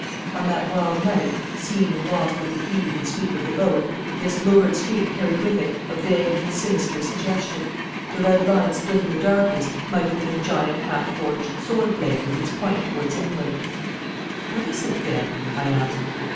On that wild night, seen and lost with the heave and sweep of the boat, this lurid streak carried with it a vague but sinister suggestion. The red line splitting the darkness might have been a giant half forged sword blade with its point towards England. 'What is it, then?' I asked.